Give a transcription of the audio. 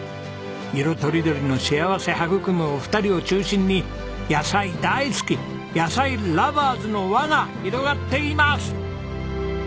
色とりどりの幸せ育むお二人を中心に野菜大好き野菜ラヴァーズの輪が広がっています！